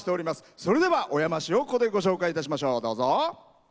それでは小山市をここでご紹介いたしましょう。